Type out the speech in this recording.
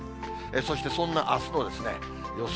そしてそんなあすの予想